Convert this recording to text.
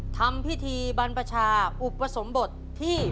ทำพิธีบรรพชาอุปสมบทที่